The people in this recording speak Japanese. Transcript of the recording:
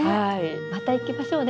また行きましょうね